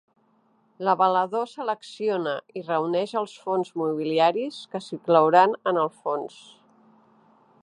L'avalador selecciona i reuneix els fons mobiliaris que s'inclouran en el fons.